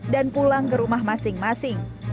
dan pulang ke rumah masing masing